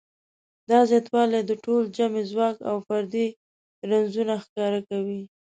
دا زیاتوالی د ډول جمعي ځواک او فردي رنځونه ښکاره کوي.